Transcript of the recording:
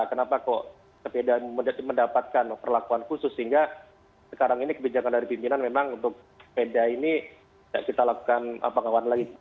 kenapa kok sepeda mendapatkan perlakuan khusus sehingga sekarang ini kebijakan dari pimpinan memang untuk sepeda ini tidak kita lakukan pengawalan lagi